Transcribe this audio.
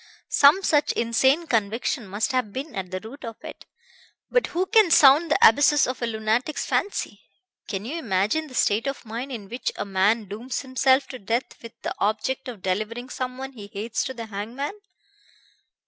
Some such insane conviction must have been at the root of it. But who can sound the abysses of a lunatic's fancy? Can you imagine the state of mind in which a man dooms himself to death with the object of delivering someone he hates to the hangman?"